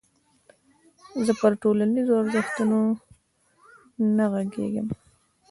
زه پر ټولنيزو ارزښتونو نه غږېږم.